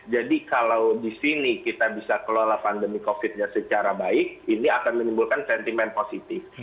jadi kalau di sini kita bisa kelola pandemi covid sembilan belas secara baik ini akan menimbulkan sentimen positif